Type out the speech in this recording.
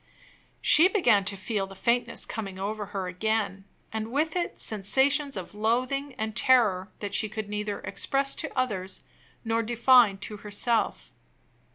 She began to feel the faintness coming over her again, and with it sensations of loathing and terror that she could neither express to others nor define to herself.